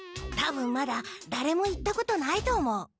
多分まだだれも行ったことないと思う。